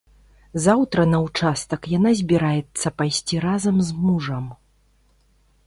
Заўтра на ўчастак яна збіраецца пайсці разам з мужам.